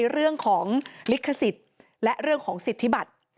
เรื่องของลิขสิทธิ์และเรื่องของสิทธิบัติ